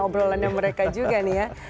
obrolannya mereka juga nih ya